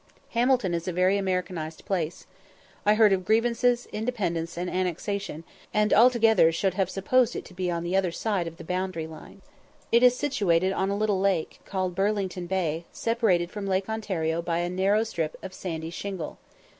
Hamilton is a very Americanised place. I heard of "grievances, independence, and annexation," and, altogether, should have supposed it to be on the other side of the boundary line. It is situated on a little lake, called Burlington Bay, separated from Lake Ontario by a narrow strip of sandy shingle.